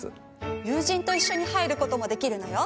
友人と一緒に入る事もできるのよ。